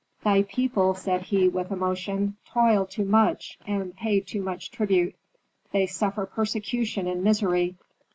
"Thy people," said he, with emotion, "toil too much, they pay too much tribute, they suffer persecution and misery.